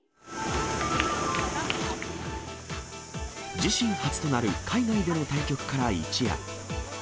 自身初となる海外での対局から一夜。